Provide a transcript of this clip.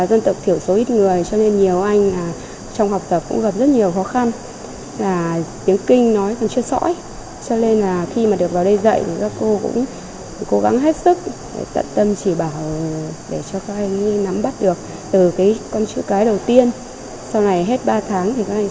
dân tộc thiểu số ít người cho nên nhiều anh trong học tập cũng gặp rất nhiều khó khăn